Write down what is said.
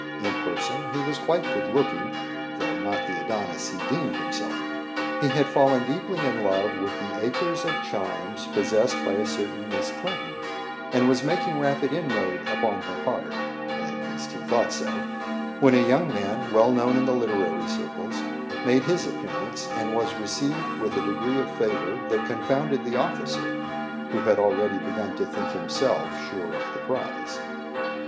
In person he was quite good looking, though not the Adonis he deemed himself. He had fallen deeply in love with the "acres of charms" possessed by a certain Miss Clinton, and was making rapid inroad upon her heart at least he thought so when a young man well known in the literary circles made his appearance, and was received with a degree of favour that confounded the officer, who had already begun to think himself sure of the prize.